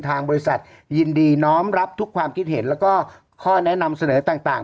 ทางบริษัทยินดีน้อมรับทุกความคิดเห็นแล้วก็ข้อแนะนำเสนอต่าง